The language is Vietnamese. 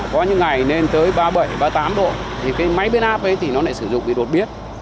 có những ngày lên tới ba mươi bảy ba mươi tám độ thì cái máy biến áp ấy thì nó lại sử dụng bị đột biến